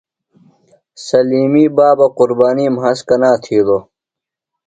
سلیمی بابہ قُربانی مھاس کنا تِھیلوۡ؟